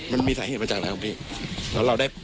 มันมีสายเห็นมาจากไหนตรงนี้